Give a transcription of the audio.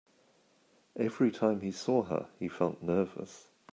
Every time he saw her, he felt nervous.